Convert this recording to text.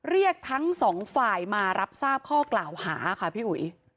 เรียกทั้งสองฝ่ายมารับทราบข้อกล่าวหาค่ะพี่อุ๋ย